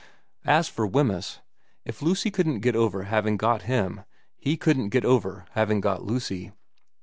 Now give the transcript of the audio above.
As for Wemyss, if Lucy couldn't get over having got him he couldn't get over having got Lucy.